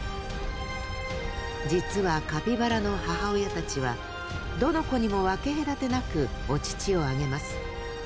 実はカピバラの母親たちはどの子にも分け隔てなくお乳をあげます。